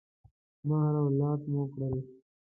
مهر او لاک مو کړل.